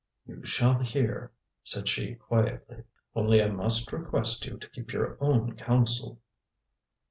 "You shall hear," said she quietly, "only I must request you to keep your own counsel."